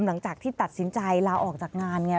หลังจากที่ตัดสินใจลาออกจากงานไง